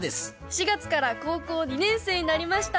４月から高校２年生になりました。